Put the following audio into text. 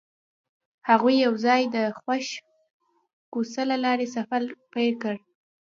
هغوی یوځای د خوښ کوڅه له لارې سفر پیل کړ.